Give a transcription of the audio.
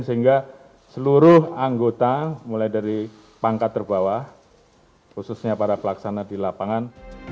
sehingga seluruh anggota mulai dari pangkat terbawah khususnya para pelaksana di lapangan